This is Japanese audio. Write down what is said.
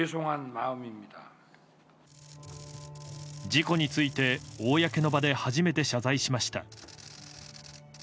事故について公の場で初めて謝罪しました。